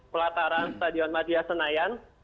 pelataran stadion madia senayan